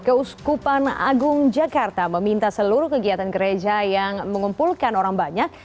keuskupan agung jakarta meminta seluruh kegiatan gereja yang mengumpulkan orang banyak